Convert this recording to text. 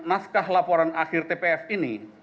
naskah laporan akhir tpf ini